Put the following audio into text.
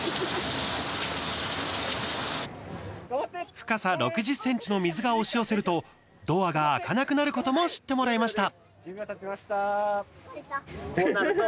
深さ６０ｃｍの水が押し寄せるとドアが開かなくなることも知ってもらいました。